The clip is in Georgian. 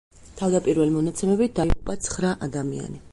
თავდაპირველი მონაცემებით, დაიღუპა ცხრა ადამიანი.